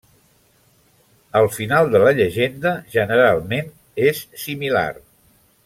El final de la llegenda generalment és similar.